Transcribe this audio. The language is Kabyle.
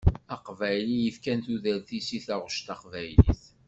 Aqbayli i yefkan tudert-is i taɣuct taqbaylit.